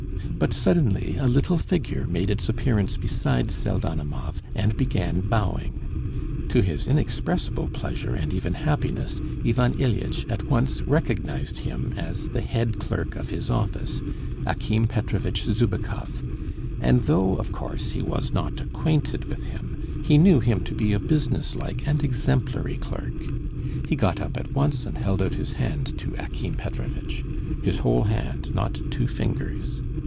But suddenly a little figure made its appearance beside Pseldonimov, and began bowing. To his inexpressible pleasure and even happiness, Ivan Ilyitch at once recognised him as the head clerk of his office, Akim Petrovitch Zubikov, and though, of course, he was not acquainted with him, he knew him to be a businesslike and exemplary clerk. He got up at once and held out his hand to Akim Petrovitch his whole hand, not two fingers.